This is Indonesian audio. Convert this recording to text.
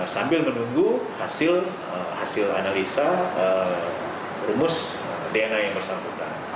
sambil menunggu hasil analisa rumus dna yang bersangkutan